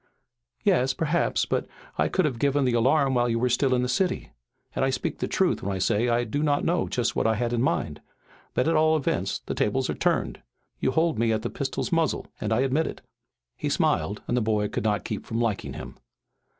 "Yes perhaps. But I could have given the alarm while you were still in the city. I speak the truth when I say I do not know just what I had in mind. But at all events the tables are turned. You hold me at the pistol's muzzle and I admit it." He smiled and the boy could not keep from liking him.